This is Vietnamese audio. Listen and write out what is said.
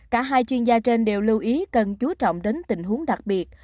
cả hai chuyên gia trên đều lưu ý cần chú trọng đến tình huống đặc biệt